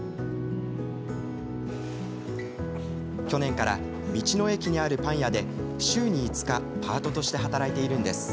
去年から、道の駅にあるパン屋で週に５日パートとして働いているんです。